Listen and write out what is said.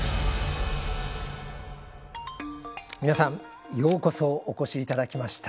皆さんようこそお越しいただきました。